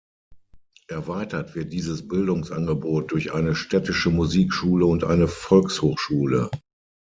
Erweitert wird dieses Bildungsangebot durch eine städtische Musikschule und eine Volkshochschule.